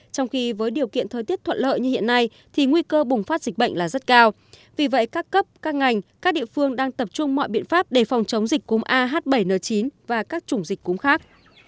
trong khi với điều kiện thời tiết thuận lợi như hiện nay thì nguy cơ bùng phát dịch bệnh là rất cao vì vậy các cấp các ngành các địa phương đang tập trung mọi biện pháp để phòng chống dịch cúm ah bảy n chín và các chủng dịch cúm khác